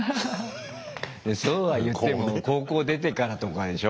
そうは言っても高校出てからとかでしょ。